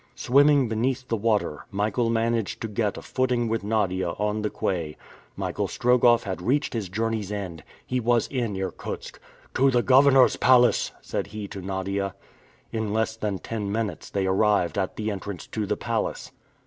Swimming beneath the water, Michael managed to get a footing with Nadia on the quay. Michael Strogoff had reached his journey's end! He was in Irkutsk! "To the governor's palace!" said he to Nadia. In less than ten minutes, they arrived at the entrance to the palace.